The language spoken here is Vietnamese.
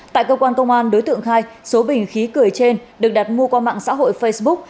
tại cơ quan công an đối tượng khai số bình khí cười trên được đặt mua qua mạng xã hội facebook